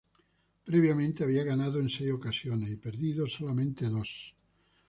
Previamente, había ganado en seis ocasiones y perdido solamente dos.